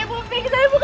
ibu kenapa aisyah